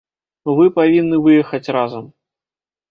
Вы павінны выехаць разам.